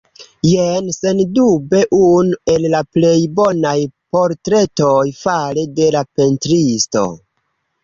Jen sendube unu el la plej bonaj portretoj fare de la pentristo.